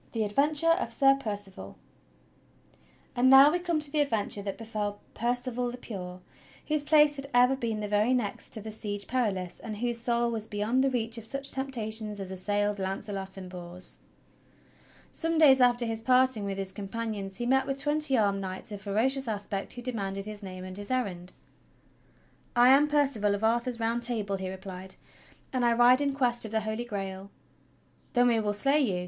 THE ADVENTURE OF SIR PERCIVAL And now we come to the adventure that befell Percival the Pure whose place had ever been the very next to the Siege Perilous, and whose soul was beyond the reach of such temptations as assailed Launcelot and Bors. Some days after his parting with his companions he met with twenty armed knights of ferocious aspect who demanded his name and his errand. "I am Percival of Arthur's Round Table," he replied, "and I ride in Quest of the Holy Grail." "Then we will slay you!"